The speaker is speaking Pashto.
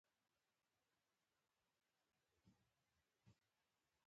هلته ډیر قیمتي ډبرې وې خو ډوډۍ نه وه.